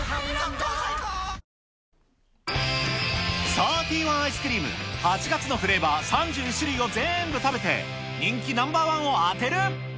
サーティワンアイスクリーム、８月のフレーバー３１種類を全部食べて、人気ナンバー１を当てる。